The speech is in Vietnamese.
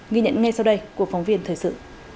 ghi nhận ngay sau đây của phóng viên thời sự